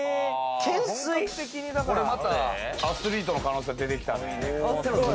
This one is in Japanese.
これまたアスリートの可能性、出てきたね。